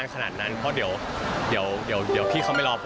เพราะเดี๋ยวพี่เขารอผม